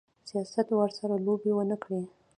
سیاست ورسره لوبې ونه کړي.